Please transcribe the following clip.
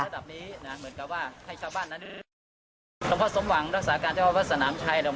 ท่านพ่อสมหวังรักษาการเจ้าพ่อพ่อสนามชัย